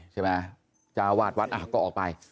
ใช่ไหมจ้าวาดวัดก็ออกไป